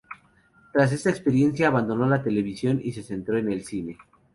Tras esta experiencia abandonó la televisión y se centró en el cine.